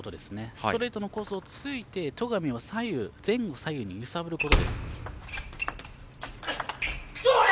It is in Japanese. ストレートのコースを突いて戸上を前後左右に揺さぶることです。